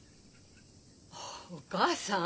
お母さん？